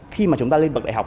khi mà chúng ta lên bậc đại học